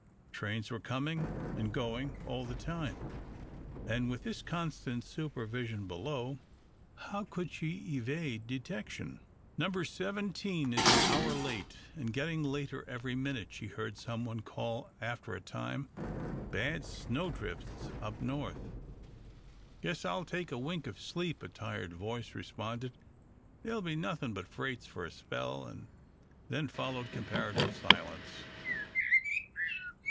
Trains were coming and going all the time, and with this constant supervision below, how could she evade detection? "Number seventeen is an hour late and getting later every minute," she heard some one call after a time; "bad snow drifts up north." "Guess I'll take a wink of sleep," a tired voice responded, "there'll be nothing but freights for a spell," and then followed comparative silence.